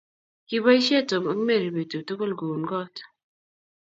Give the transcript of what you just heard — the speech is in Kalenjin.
kiboisie Tom ak Mary beetut tugul kuun koot